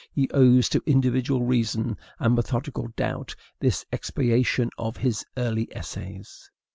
He owes to individual reason and methodical doubt this expiation of his early essays.